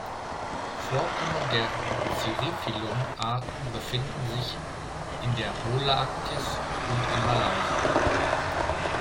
Vorkommen der "Cirriphyllum"-Arten befinden sich in der Holarktis und in Malaysia.